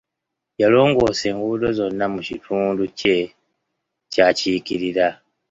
Yalongoosa enguudo zonna mu kitundu kye ky'akiikirira.